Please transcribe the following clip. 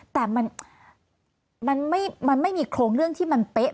แต่มันมันไม่มันไม่มีโครงเรื่องที่มันป๊ะ